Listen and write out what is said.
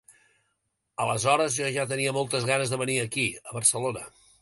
Aleshores jo ja tenia moltes ganes de venir aquí, a Barcelona.